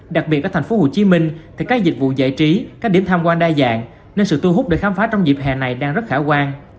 đặc biệt ở thành phố hồ chí minh thì các dịch vụ giải trí các điểm tham quan đa dạng nên sự thu hút để khám phá trong dịp hè này đang rất khả quan